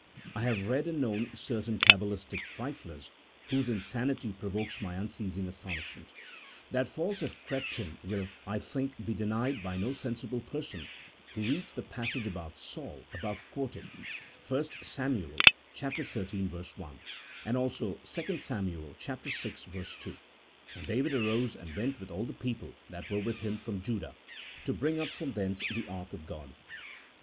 I have read and known certain Kabbalistic triflers, whose insanity provokes my unceasing astonishment. That faults have crept in will, I think, be denied by no sensible person who reads the passage about Saul, above quoted (1 Sam. xiii. 1) and also 2 Sam. vi. 2 :" And David arose and went with all the people that were with him from Judah, to bring up from thence the ark of God."